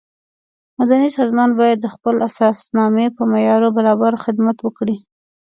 مدني سازمانونه باید د خپلې اساسنامې په معیارونو برابر خدمت وکړي.